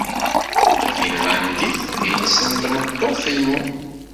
Tafinlandit d iles n tmeṭṭut-inu.